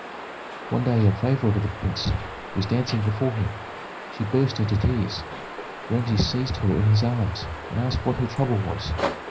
One day a favorite of the prince was dancing before him; she burst into tears. Rameses seized her in his arms, and asked what her trouble was.